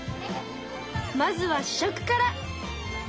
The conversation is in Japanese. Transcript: まずは試食から。